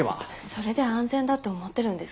それで安全だと思ってるんですか？